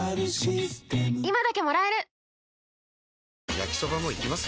焼きソバもいきます？